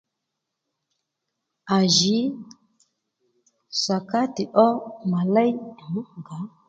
À jǐ sakatì ó mà léy àaa mú gaaaǎ